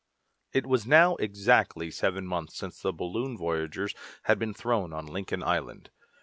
It was now exactly seven months since the balloon voyagers had been thrown on Lincoln Island.